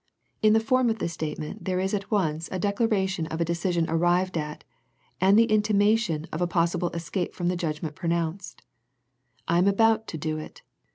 In the form of the state ment there is at once a declaration of a de cision arrived at, and the intimation of a pos sible escape from the judgment pronounced. I am about to do it.